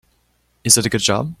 Is it a good job?